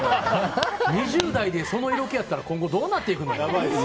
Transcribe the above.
２０代でその色気やったら今後どうなっていくねん。